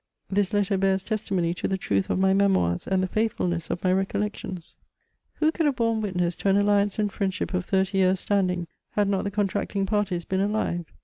This letter bears testimony to the truth of my memoirs and the faithfulness of my recollections. Who could have borne witness to an alliance and friendship of thirty years* standing had not the contracting parties been alive?